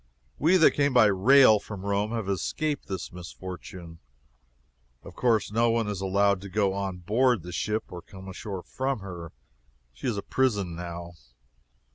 We that came by rail from Rome have escaped this misfortune. Of course no one is allowed to go on board the ship, or come ashore from her. She is a prison, now.